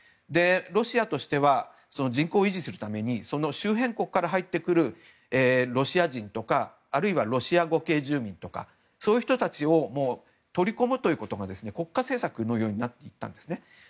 ロシアとしては人口を維持するためにその周辺国から入ってくるロシア人とかあるいはロシア語系住民とかそういう人たちを取り込むということが国家施策のようになっていったんですね。